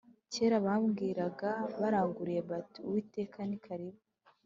kera babwiraga baranguruye bati Uwiteka nikaribu